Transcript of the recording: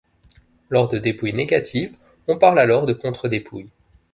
Lors de dépouille négative, on parle alors de contre-dépouille.